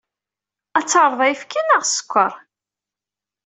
Ad terreḍ ayefki neɣ sskeṛ?